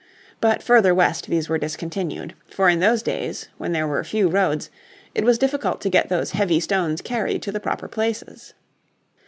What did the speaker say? But further west these were discontinued. For in those days when there were few roads it was difficult to get these heavy stones carried to the proper places.